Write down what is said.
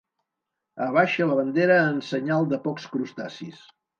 Abaixa la bandera en senyal de pocs crustacis.